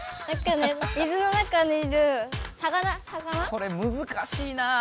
これむずかしいなあ。